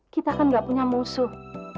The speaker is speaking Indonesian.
kita kan gak punya musuh